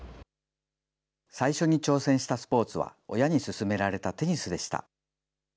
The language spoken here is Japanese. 最初に挑戦したスポーツは、親に勧められたテニスでした。